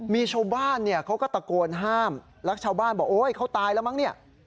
มีชาวบ้านเนี่ยเขาก็ตะโกนห้ามแล้วชาวบ้านบอกโอ๊ยเขาตายแล้วมั้งเนี่ย